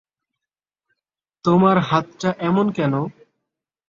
তোমার হাতটা এমন কেন?